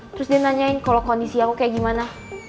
terus dia nanyain kalau kondisi aku kayak gimana